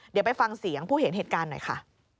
เดี๋ยวไปฟังเสียงผู้เห็นเหตุการณ์หน่อยค่ะ